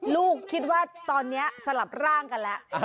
ลูกคิดว่าตอนนี้สลับร่างกันแล้ว